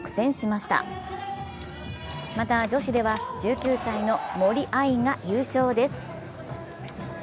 また女子では１９歳の森秋彩が優勝です。